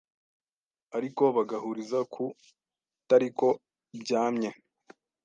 Ariko bagahuriza ku tariko byamye